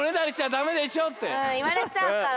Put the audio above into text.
うんいわれちゃうから。